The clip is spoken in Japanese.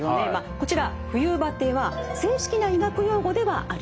こちら冬バテは正式な医学用語ではありません。